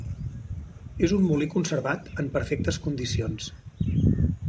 És un molí conservat en perfectes condicions.